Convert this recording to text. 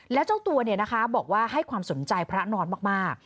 แล้วเจ้าตัวบอกว่าให้ความสนใจพระนอนมาก